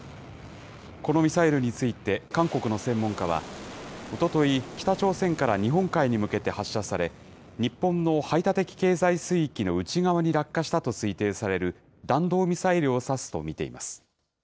このミサイルについて、韓国の専門家は、おととい、北朝鮮から日本海に向けて発射され、日本の排他的経済水域の内側に落下したと推定される弾道ミサイルを指すと見ています。